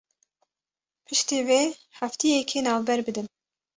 Piştî vê hefteyekî navber bidin